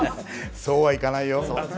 そうはいかないよ！